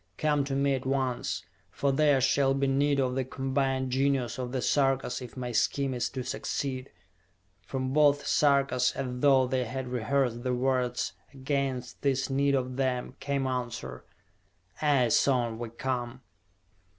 Come to me at once! For there shall be need of the combined genius of the Sarkas if my scheme is to succeed!" From both Sarkas, as though they had rehearsed the words against this need of them, came answer: "Aye, son, we come!"